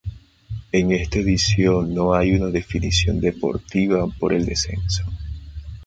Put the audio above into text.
En esta edición no hay una definición deportiva por el descenso.